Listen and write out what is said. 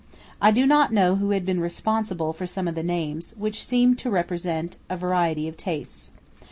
I do not know who had been responsible for some of the names, which seemed to represent a variety of tastes.